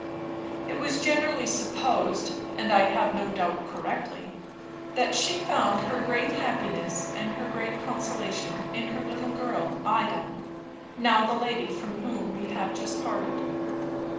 It was generally supposed (and I have no doubt correctly) that she found her great happiness and her great consolation in her little girl Ida now the lady from whom we have just parted.